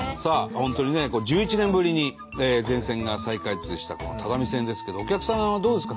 本当にね１１年ぶりに全線が再開通した只見線ですけどお客さんはどうですか？